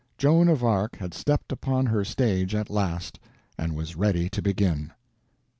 Joan of Arc had stepped upon her stage at last, and was ready to begin.